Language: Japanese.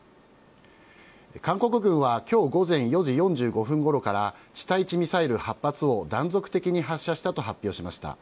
韓国軍はきょう午前４時４５分ごろから、地対地ミサイル８発を断続的に発射したと発表しました。